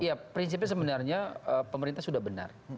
ya prinsipnya sebenarnya pemerintah sudah benar